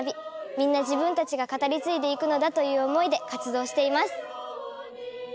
みんな自分たちが語り継いでいくのだという思いで活動しています。